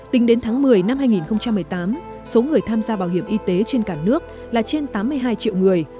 tính đến tháng một mươi năm hai nghìn một mươi tám số người tham gia bảo hiểm y tế trên cả nước là trên tám mươi hai triệu người